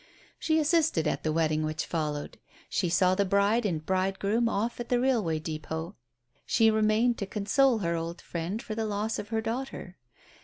She assisted at the wedding which followed, she saw the bride and bridegroom off at the railway depôt, she remained to console her old friend for the loss of her daughter.